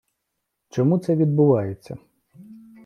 Чому це відбувається?